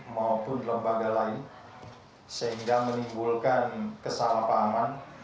maupun lembaga lain sehingga menimbulkan kesalahpahaman